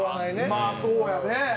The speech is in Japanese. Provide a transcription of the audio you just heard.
まあそうやね。